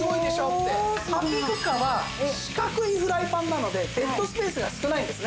ハッピークッカーは四角いフライパンなのでデッドスペースが少ないんですね。